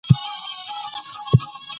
پلار مي په دلارام کي یوه لویه مځکه رانیولې ده